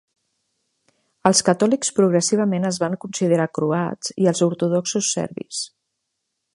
Els catòlics progressivament es van considerar croats i els ortodoxos serbis.